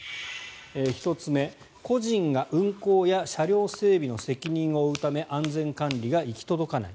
１つ目、個人が運行や車両整備の責任を負うため安全管理が行き届かない。